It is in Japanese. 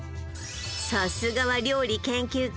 さすがは料理研究家！